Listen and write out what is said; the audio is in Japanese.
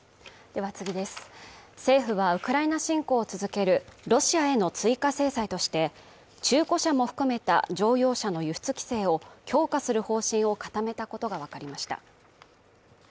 政府はウクライナ侵攻を続けるロシアへの追加制裁として、中古車も含めた乗用車の輸出規制を強化する方針を固めたことがわかりました。